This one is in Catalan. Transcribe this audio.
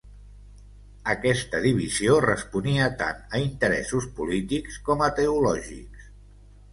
Aquesta divisió responia tant a interessos polítics com a teològics.